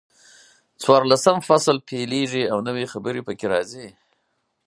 څلورلسم فصل پیلېږي او نوي خبرې پکې راځي.